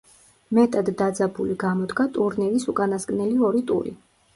მეტად დაძაბული გამოდგა ტურნირის უკანასკნელი ორი ტური.